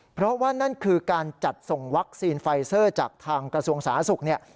เพราะว่านั่นคือการจัดส่งวัคซีนไฟเซอร์จากทางกระทรวงสาธารณสุขเนี่ย